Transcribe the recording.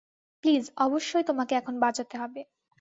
Please অবশ্যই তোমাকে এখানে বাজাতে হবে।